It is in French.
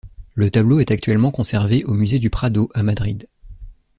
Le tableau est actuellement conservé au Musée du Prado à Madrid.